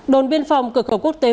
đồn biên phòng cửa khẩu quốc tế